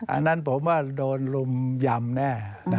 อันนั้นผมว่าโดนรุมยำแน่